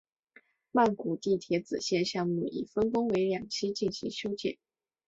曼谷地铁紫线项目已分工为两期进行修建。